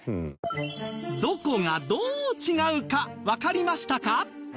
どこがどう違うかわかりましたか？